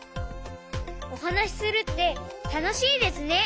おはなしするってたのしいですね！